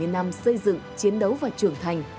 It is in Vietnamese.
bảy mươi năm xây dựng chiến đấu và trưởng thành